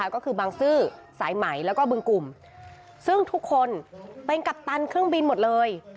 ก็คือบางซื่อสายไหมแล้วก็บึงกลุ่มซึ่งทุกคนเป็นกัปตันเครื่องบินหมดเลย